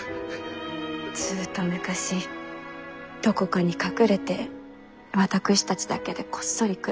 ずっと昔どこかに隠れて私たちだけでこっそり暮らそうと話したのを。